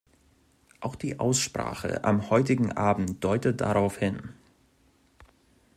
Auch die Aussprache am heutigen Abend deutet darauf hin.